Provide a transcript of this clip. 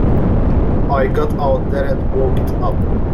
I got out there and broke it up.